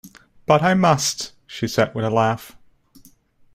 "But I must," she said with a laugh.